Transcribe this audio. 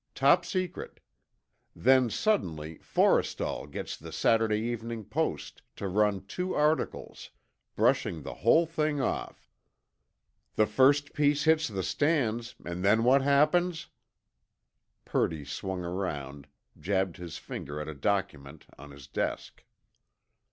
Top secret. Then suddenly, Forrestal gets the Saturday Evening Post to run two articles, brushing the whole thing off. The first piece hits the stands—and then what happens?" Purdy swung around, jabbed his finger at a document on. his desk.